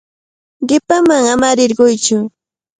Qipaman ama rirquytsu.